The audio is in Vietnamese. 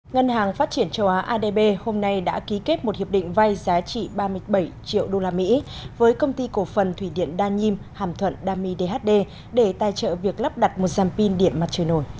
ngân hàng phát triển châu á adb hôm nay đã ký kết một hiệp định vay giá trị ba mươi bảy triệu usd với công ty cổ phần thủy điện đa nhiêm hàm thuận đa my đhd để tài trợ việc lắp đặt một dàn pin điện mặt trời nổi